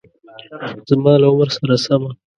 زما له عمر سره سمه